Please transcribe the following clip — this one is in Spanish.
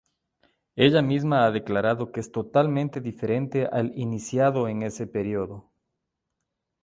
Ella misma ha declarado que es totalmente diferente al iniciado en ese periodo.